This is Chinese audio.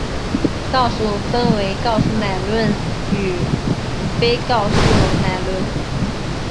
告诉分为告诉乃论与非告诉乃论。